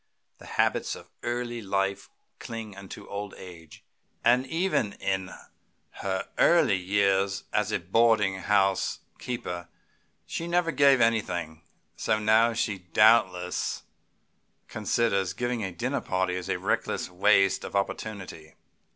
The habits of early life cling unto old age, and even as in her early days as a boarding house keeper she never gave anything, so now she doubtless considers giving a dinner as a reckless waste of opportunity.